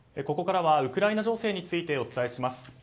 ここからはウクライナ情勢についてお伝えします。